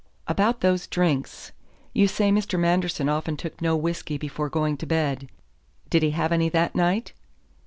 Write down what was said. "About those drinks. You say Mr. Manderson often took no whisky before going to bed. Did he have any that night?"